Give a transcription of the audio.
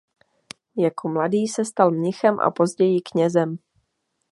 Jako mladý se stal mnichem a později knězem.